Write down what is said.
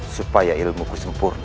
supaya ilmuku sempurna